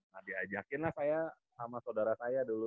nah diajakin lah saya sama saudara saya dulu